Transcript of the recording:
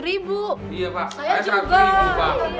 iya pak saya juga